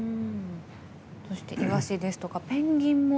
そして、イワシですとかペンギンも。